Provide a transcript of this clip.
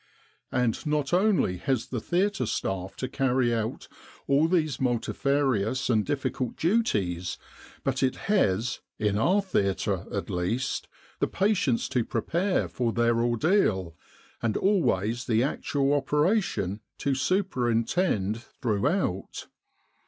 " And not only has the theatre staff to carry out all these multifarious and difficult duties, but it has in our theatre, at least the patients to prepare for their ordeal, and always the actual operation to superintend throughout.